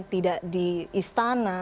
tidak di istana